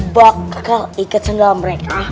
bakal ikat sandalnya mereka